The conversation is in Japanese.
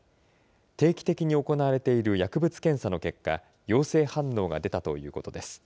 定期的に行われている薬物検査の結果、陽性反応が出たということです。